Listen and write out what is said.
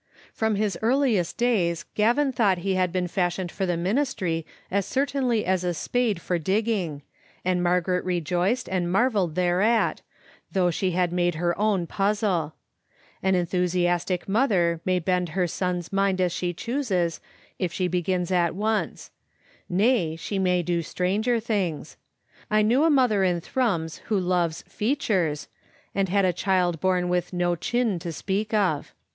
From his, earliest days Gavin thought he had been fashioned for the ministry as certainly as a spade for digging, and Mar garet rejoiced and marvelled thereat, though she had made her own puzzle. An enthusiastic mother may bend her son's mind as she chooses if she begins at Digitized by VjOOQ IC 10 tn>e Xittle Aini0tet. once; nay, she may do stranger things, t know a mother in Thrums who loves "features," and had a child bom with no chin to speak of.